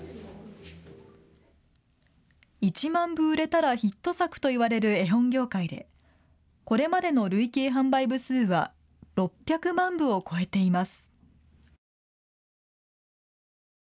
１万部、売れたらヒット作といわれる絵本業界でこれまでの累計販売部数は６００万部を超えています。